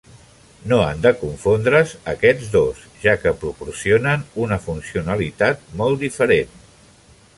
No han de confondre's aquests dos, ja que proporcionen una funcionalitat molt diferent.